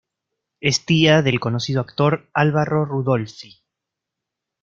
Es tía del conocido actor Álvaro Rudolphy.